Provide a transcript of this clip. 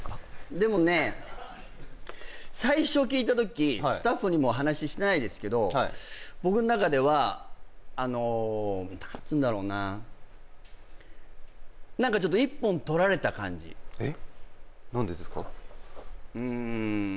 でもね最初聞いた時スタッフにも話してないですけど僕の中ではあの何ていうんだろうな何かちょっと一本取られた感じえっ！？